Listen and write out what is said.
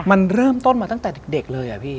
มันเริ่มต้นมาตั้งแต่เด็กเลยอะพี่